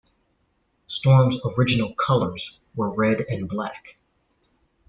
Storm's original colours were red and black.